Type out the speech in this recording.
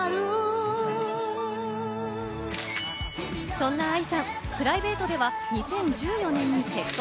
そんなＡＩさん、プライベートでは２０１４年に結婚。